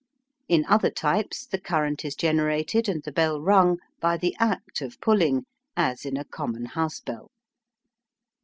In other types the current is generated and the bell rung by the act of pulling, as in a common house bell.